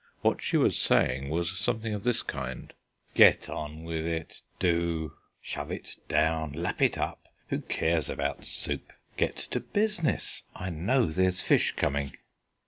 What she was saying was something of this kind: "Get on with it, do: shove it down, lap it up! Who cares about soup? Get to business. I know there's fish coming."